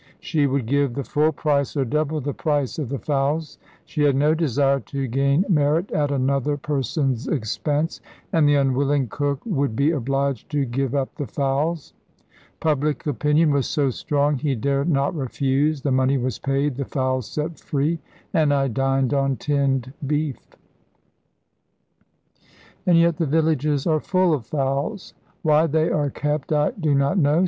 She would give the full price or double the price of the fowls; she had no desire to gain merit at another person's expense, and the unwilling cook would be obliged to give up the fowls. Public opinion was so strong he dare not refuse. The money was paid, the fowls set free, and I dined on tinned beef. And yet the villages are full of fowls. Why they are kept I do not know.